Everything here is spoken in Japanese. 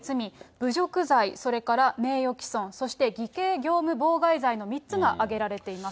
侮辱罪、それから名誉棄損、そして偽計業務妨害罪の３つが挙げられています。